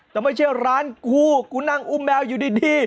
แต่ไม่ใช่ร้านกูกูนั่งอุ้มแมวอยู่ดี